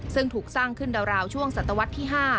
ซึ่งถูกสร้างขึ้นราวช่วงศตวรรษที่๕